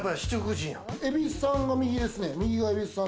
恵比寿さんが右ですね。